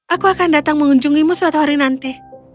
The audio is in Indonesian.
aku akan datang mengunjungimu suatu hari nanti